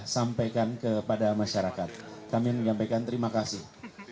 sampaikan kepada masyarakat kami menyampaikan terima kasih